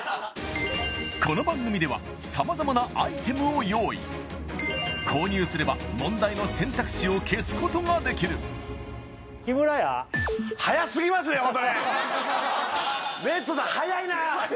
この番組では様々なアイテムを用意購入すれば問題の選択肢を消すことができるヒムラヤレッドさん早いな！